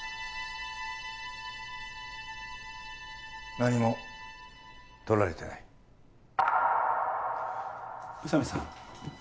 何もとられてない・宇佐美さん